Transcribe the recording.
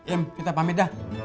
im kita pamit dah